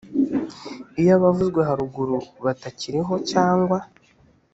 iyo abavuzwe haruguru batakiriho cyangwa